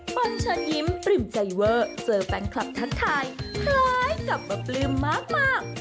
ปัญชายิ้มปริมใจเว่อเจอแฟนคลับทักทายพลายกับประปริมมาก